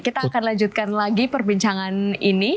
kita akan lanjutkan lagi perbincangan ini